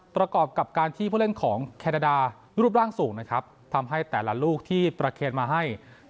ประกอบกับการที่ผู้เล่นของแคนาดารูปร่างสูงนะครับทำให้แต่ละลูกที่ประเคนมาให้